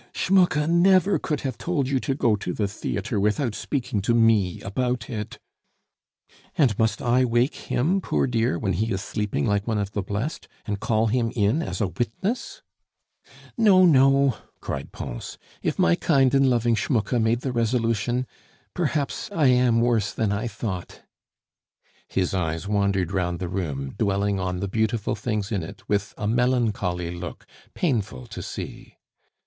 "Schmucke never could have told you to go to the theatre without speaking to me about it " "And must I wake him, poor dear, when he is sleeping like one of the blest, and call him in as a witness?" "No, no!" cried Pons. "If my kind and loving Schmucke made the resolution, perhaps I am worse than I thought." His eyes wandered round the room, dwelling on the beautiful things in it with a melancholy look painful to see.